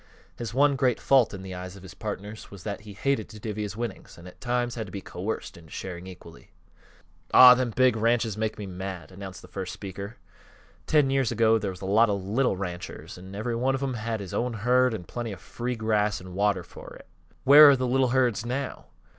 His one great fault in the eyes of his partners was that he hated to divvy his winnings and at times had to be coerced into sharing equally. "Aw, them big ranches make me mad," announced the first speaker. "Ten years ago there was a lot of little ranchers, an' every one of 'em had his own herd, an' plenty of free grass an' water fer it. Where are th' little herds now?